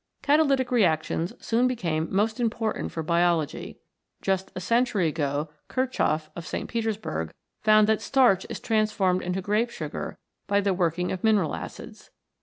Cata lytic reactions soon became most important for biology. Just a century ago Kirchhoff, of St. Petersburg, found that starch is transformed into grape sugar by the working of mineral acids.